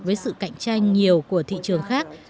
với sự cạnh tranh nhiều của thị trường khác